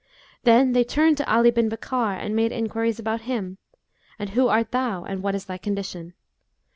Then they turned to Ali bin Bakkar and made enquiries about him, 'And who art thou and what is thy condition?